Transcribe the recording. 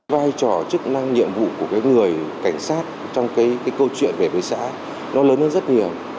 vai trò chức năng nhiệm vụ của người cảnh sát trong câu chuyện về bế xã nó lớn hơn rất nhiều